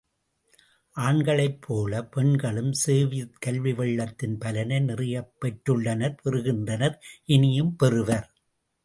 ஆண்களைப் போலப் பெண்களும் சோவியத் கல்வி வெள்ளத்தின் பலனை நிறையப் பெற்றுள்ளனர் பெறுகின்றனர் இனியும் பெறுவர்.